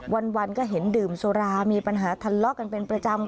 วันก็เห็นดื่มสุรามีปัญหาทะเลาะกันเป็นประจำ